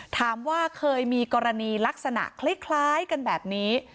ถามว่าเคยมีกรณีลักษณะคล้ายกันแบบนี้